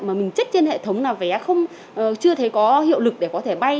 mà mình trích trên hệ thống là vé chưa thấy có hiệu lực để có thể bay